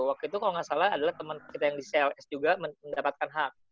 waktu itu kalau nggak salah adalah teman kita yang di cls juga mendapatkan hak